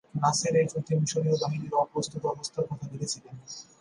নাসের এই যুদ্ধে মিশরীয় বাহিনীর অপ্রস্তুত অবস্থার কথা লিখেছিলেন।